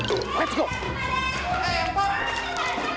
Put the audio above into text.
kejar kejar kejar